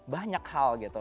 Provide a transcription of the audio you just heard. banyak hal gitu